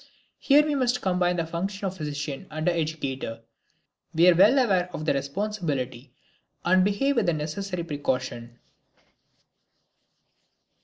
Here we must combine the function of physician and educator; we are well aware of the responsibility and behave with the necessary precaution.